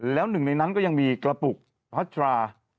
แล้วหนึ่งในนั้นก็ยังมีกระปุกพัชรา